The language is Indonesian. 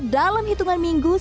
dalam hitungan mingguan